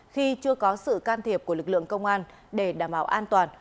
khi chưa có sự can thiệp của lực lượng công an để đảm bảo an toàn